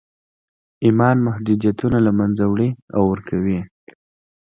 ایمان محدودیتونه له منځه وړي او ورکوي یې